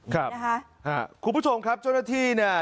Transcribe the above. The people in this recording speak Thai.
คุณผู้ชมครับเจ้าหน้าที่เนี่ย